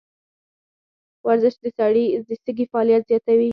ورزش د سږي فعالیت زیاتوي.